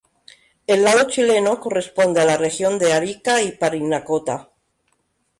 El lado chileno corresponde a la Región de Arica y Parinacota.